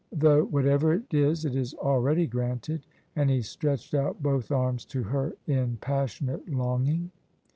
Though whatever it is, it is already granted." And he stretched out both arms to her in passionate longing.